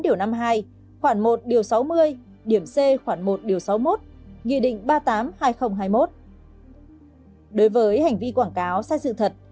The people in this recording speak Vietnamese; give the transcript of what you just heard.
đối với hành vi quảng cáo sai sự thật